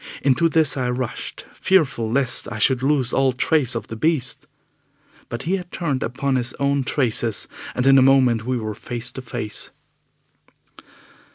Into this I rushed, fearful lest I should lose all trace of the beast. But he had turned upon his own traces, and in a moment we were face to face.